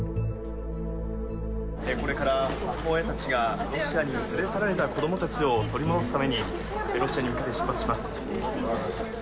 これから母親たちが、ロシアに連れ去られた子どもたちを取り戻すために、ロシアに向かって出発します。